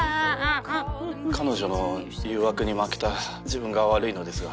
彼女の誘惑に負けた自分が悪いのですが。